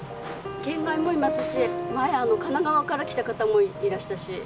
県外もいますし前神奈川から来た方もいらしたし。